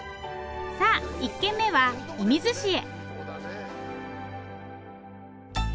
さあ１軒目は射水市へ。